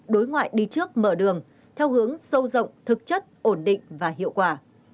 đối ngoại đi trước mở đường theo hướng sâu rộng thực chất ổn định và hiệu quả